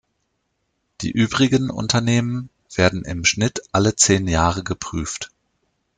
Die übrigen Unternehmen werden im Schnitt alle zehn Jahre geprüft.